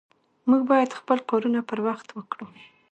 مونږ بايد خپل کارونه پر وخت وکړو